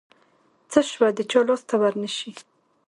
څه شوه د چا لاس ته ورنشي.